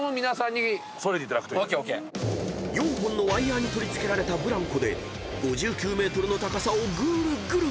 ［４本のワイヤに取り付けられたブランコで５９ｍの高さをぐるぐる］